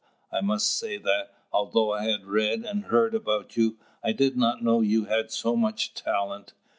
I must say that, although I had read and heard about you, I did not know you had so much talent.